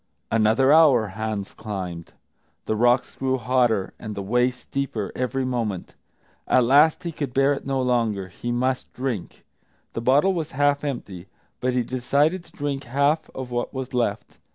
Another hour Hans climbed; the rocks grew hotter and the way steeper every moment. At last he could bear it no longer; he must drink. The bottle was half empty, but he decided to drink half of what was left.